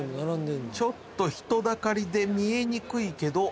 ちょっと人だかりで見えにくいけど